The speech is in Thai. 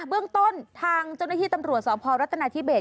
เบื้องต้นทางเจ้าหน้าที่ตำรวจสพรัฐนาธิเบส